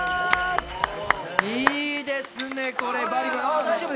いいですね、これ。